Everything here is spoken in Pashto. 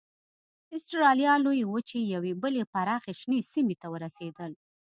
اسټرالیا لویې وچې یوې بلې پراخې شنې سیمې ته ورسېدل.